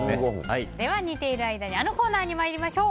では煮ている間にあのコーナーに参りましょう。